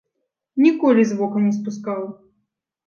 Ніколі з вока не спускаў.